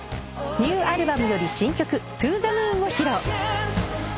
ニューアルバムより新曲『ＴｏＴｈｅＭｏｏｎ』を披露。